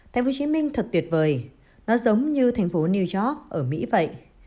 tp hcm thật tuyệt vời nó giống như tp new york ở mỹ vậy